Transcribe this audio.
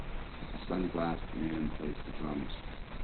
A sunglassed man plays the drums.